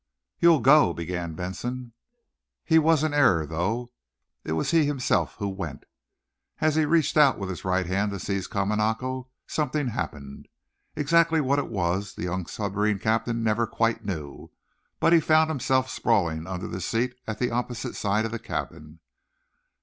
"You'll go " began Benson. He was in error, though. It was he himself who "went." As he reached out with his right hand to seize Kamanako something happened. Exactly what it was the young submarine captain never quite knew. But he found himself sprawling under the seat at the opposite side of the cabin.